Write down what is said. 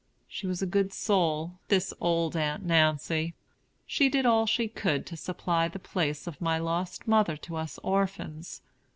She was a good soul, this old Aunt Nancy. She did all she could to supply the place of my lost mother to us orphans.